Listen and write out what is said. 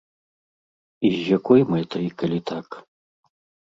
І з якой мэтай, калі так?